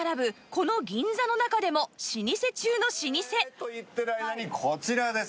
この銀座の中でも老舗中の老舗と言ってる間にこちらです。